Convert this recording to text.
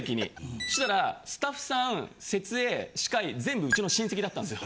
そしたらスタッフさん設営司会全部うちの親戚だったんですよ。